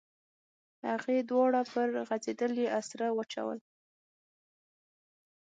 هغې دواړه پر غځېدلې اسره واچول.